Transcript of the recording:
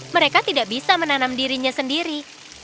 mereka tidak bisa menanam dirinya sendiri